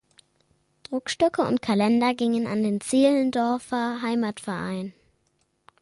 Druckstöcke und Kalender gingen an den Zehlendorfer Heimatverein.